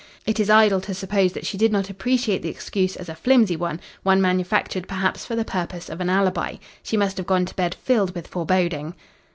It is idle to suppose that she did not appreciate the excuse as a flimsy one one manufactured perhaps for the purpose of an alibi. She must have gone to bed filled with foreboding.